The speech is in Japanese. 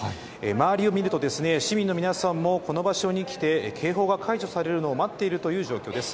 周りを見ると、市民の皆さんもこの場所に来て、警報が解除されるのを待っているという状況です。